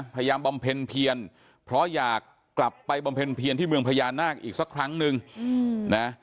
บำเพ็ญเพียนเพราะอยากกลับไปบำเพ็ญเพียรที่เมืองพญานาคอีกสักครั้งนึงนะ